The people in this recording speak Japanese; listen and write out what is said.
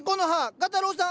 画太郎さん